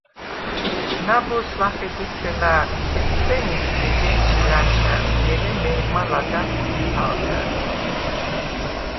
ნა̈ბოზს ლახე დეცე ლა̄̈რტყ ხეწდენი, ეჯ’ე̄ჩი ლა̈ნშა̈ნ ლი, ერე მე̄რმა ლადა̈ღ ჩუ იჰა̄ვდა̈რ.